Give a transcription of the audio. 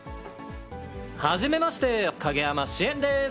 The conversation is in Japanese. はじめまして、影山シエンです。